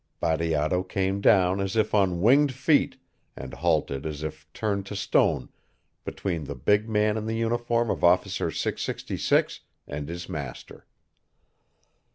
Bateato came down as if on winged feet and halted as if turned to stone between the big man in the uniform of Officer 666 and his master.